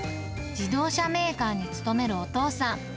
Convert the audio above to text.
自動車メーカーに勤めるお父さん。